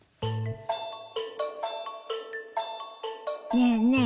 ねえねえ